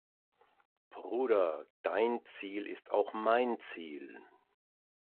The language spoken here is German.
Bruder, dein Ziel ist auch mein Ziel.